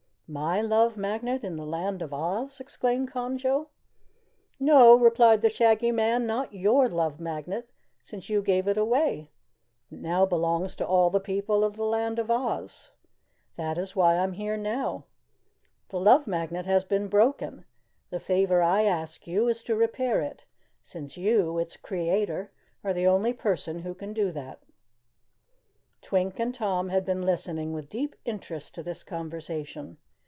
"My Love Magnet in the Land of Oz!" exclaimed Conjo. "No," replied the Shaggy Man, "not your Love Magnet, since you gave it away. It now belongs to all the people of the Land of Oz. That is why I am here now. The Love Magnet has been broken. The favor I ask you is to repair it, since you, its creator, are the only person who can do that." Twink and Tom had been listening with deep interest to this conversation.